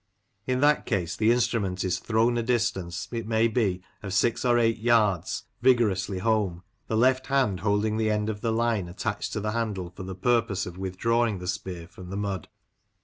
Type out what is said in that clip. In that case the instrument is thrown a distance, it may be, of six or eight yards, vigorously home, the left hand holding the end of the line attached to the handle for the purpose of withdrawing the spear from the mud.